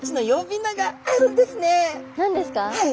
何ですか？